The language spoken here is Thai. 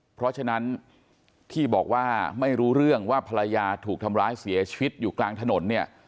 เพราะฉะนั้นที่บอกว่าไม่รู้เรื่องว่าภรรยาถูกทำร้ายเสียชีวิตอยู่กลางถนนเนี่ย